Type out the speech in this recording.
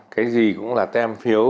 cái gì cũng là tem phiếu